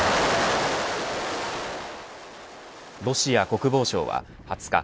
ロシア国防省は２０日